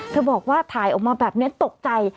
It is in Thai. บอกว่าถ่ายออกมาแบบนี้ตกใจ